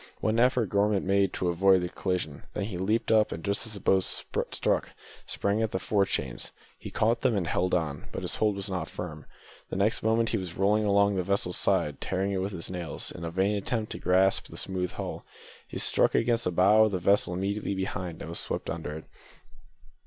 One effort Gorman made to avoid the collision, then he leaped up, and just as the boat struck, sprang at the fore chains. He caught them and held on, but his hold was not firm; the next moment he was rolling along the vessel's side, tearing it with his nails in the vain attempt to grasp the smooth hull. He struck against the bow of the vessel immediately behind and was swept under it.